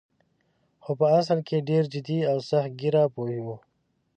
خو په اصل کې ډېر جدي او سخت ګیره پوه وې.